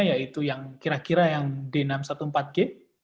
yaitu yang kira kira yang d enam ratus empat belas g